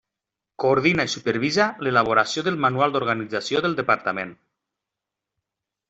Coordina i supervisa l'elaboració del Manual d'organització del Departament.